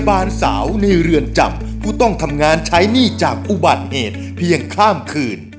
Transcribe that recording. บานสาวในเรือนจำผู้ต้องทำงานใช้หนี้จากอุบัติเหตุเพียงข้ามคืน